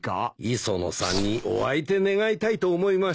磯野さんにお相手願いたいと思いましてね。